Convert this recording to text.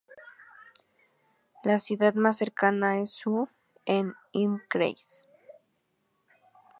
La ciudad más cercana es Suhl, en Ilm-Kreis.